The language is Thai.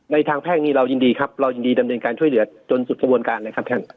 ทางแพ่งนี้เรายินดีครับเรายินดีดำเนินการช่วยเหลือจนสุดกระบวนการเลยครับท่าน